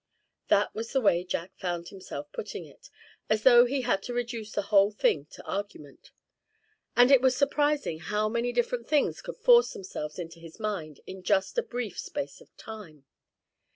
That was the way Jack found himself putting it, as though he had to reduce the whole thing to argument. And it was surprising how many different things could force themselves into his mind in just a brief space of time.